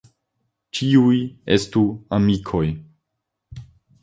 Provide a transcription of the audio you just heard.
Ĉiuj estu amikoj.